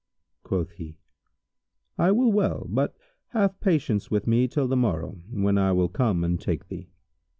Quoth he, "I will well, but have patience with me till the morrow, when I will come and take thee."